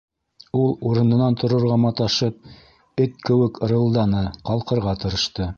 Ул урынынан торорға маташып, эт кеүек ырылданы, ҡалҡырға тырышты.